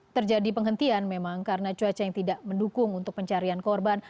terjadi penghentian memang karena cuaca yang tidak mendukung untuk pencarian korban